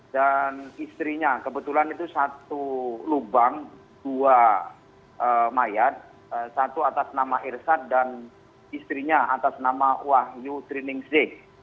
dan istrinya kebetulan itu satu lubang dua mayat satu atas nama hirsana dan istrinya atas nama wahyu triningsik